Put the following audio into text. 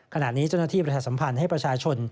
ขณะนี้เจ้าหน้าที่ประชาสัมพันธ์ให้ประชาชน